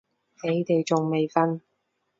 你哋仲未瞓？